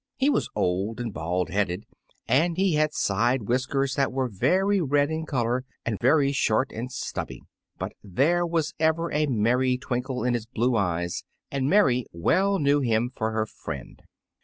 He was old and bald headed, and he had side whiskers that were very red in color and very short and stubby; but there was ever a merry twinkle in his blue eyes, and Mary well knew him for her friend.